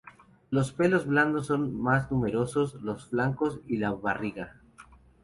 Los pelos blandos son más numerosos los flancos y la barriga.